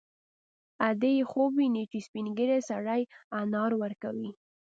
ادې یې خوب ویني چې سپین ږیری سړی انار ورکوي